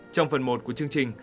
trong phần một của chương trình